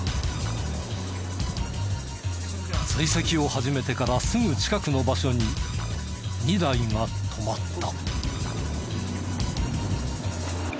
追跡を始めてからすぐ近くの場所に２台が止まった。